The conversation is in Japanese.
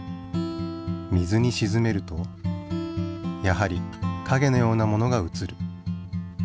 水にしずめるとやはりかげのようなものがうつる。